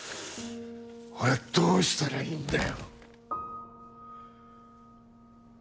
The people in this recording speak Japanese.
俺はどうしたらいいんだよ。